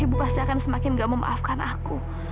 ibu pasti akan semakin gak memaafkan aku